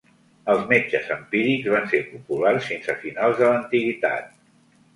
Els metges empírics van ser populars fins a finals de l'antiguitat.